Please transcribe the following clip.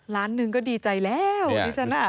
ล้านหนึ่งก็ดีใจแล้วดิฉันอ่ะ